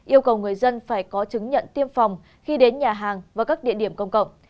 yêu cầu người dân phải có chứng nhận tiêm phòng khi đến nhà hàng và các địa điểm công cộng